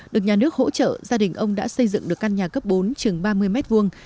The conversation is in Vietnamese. được nhà nước hỗ trợ gia đình ông đã xây dựng được căn nhà cấp bốn trường ba mươi mét vuông